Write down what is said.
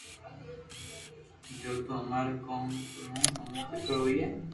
جو تو اماري قوم نو امون فڪر ھوئي